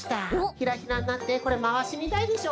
ひらひらになってこれまわしみたいでしょ？